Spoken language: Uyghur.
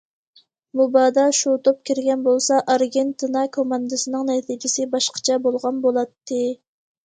مۇبادا شۇ توپ كىرگەن بولسا ئارگېنتىنا كوماندىسىنىڭ نەتىجىسى باشقىچە بولغان بولاتتى.